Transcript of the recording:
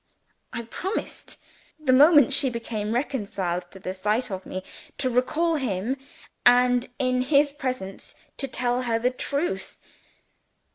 I promised, the moment she became reconciled to the sight of me, to recall him, and in his presence to tell her the truth.